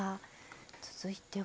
続いては。